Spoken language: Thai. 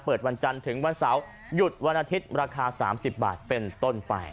วันจันทร์ถึงวันเสาร์หยุดวันอาทิตย์ราคา๓๐บาทเป็นต้นไป